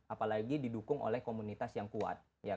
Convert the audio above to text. apalagi didukung oleh komunitas yang kuat